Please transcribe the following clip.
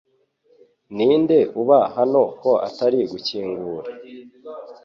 Ninde uba hano ko atari gukingura?